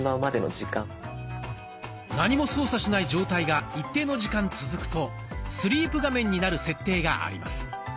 何も操作しない状態が一定の時間続くとスリープ画面になる設定があります。